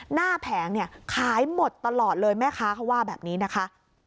แผงเนี่ยขายหมดตลอดเลยแม่ค้าเขาว่าแบบนี้นะคะ